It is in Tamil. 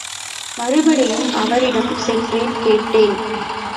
மறுபடியும் அவரிடம் சென்றேன் கேட்டேன்.